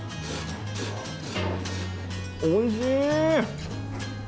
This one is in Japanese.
おいしい！